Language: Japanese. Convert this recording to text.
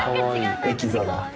エキゾだ。